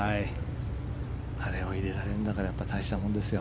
あれを入れられるんだから大したものですよ。